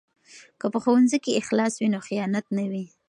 که په ښوونځي کې اخلاص وي نو خیانت نه وي.